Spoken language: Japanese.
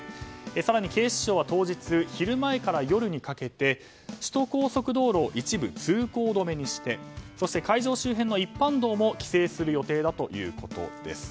更に警視庁は当日昼前から夜にかけて首都高速道路を一部通行止めにして会場周辺の一般道も規制する予定だということです。